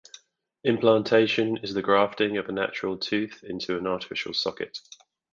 Implantation is the grafting of a natural tooth into an artificial socket.